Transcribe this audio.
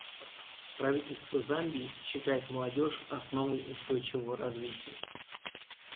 Правительство Замбии считает молодежь основой устойчивого развития.